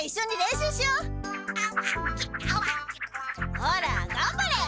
ほらがんばれ！